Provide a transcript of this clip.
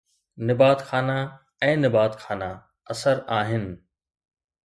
نبات خانہ ۽ نبات خانہ اثر آهن